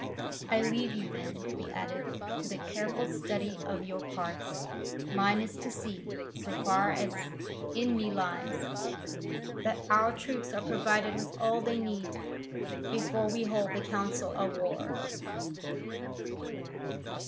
I leave you then," he added, "to the careful study of your parts: mine is to see, so far as in me lies, that our troops are provided with all they need, before we hold the council of war."